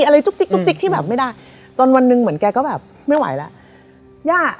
เรารู้แล้วว่า